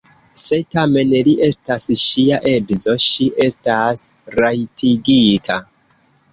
Se tamen li estas ŝia edzo, ŝi estas rajtigita.